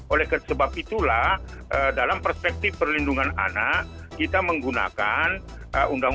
oleh sebab itulah dalam perspektif perlindungan anak kita menggunakan undang undang